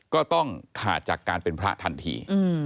ก็ต้องขาดจากการเป็นพระทันที